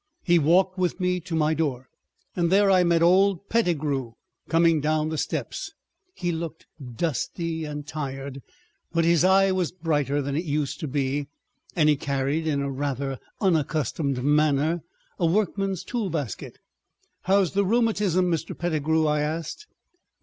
He walked with me to my door, and there I met old Pettigrew coming down the steps. He looked dusty and tired, but his eye was brighter than it used to be, and he carried in a rather unaccustomed manner, a workman's tool basket. "How's the rheumatism, Mr. Pettigrew?" I asked.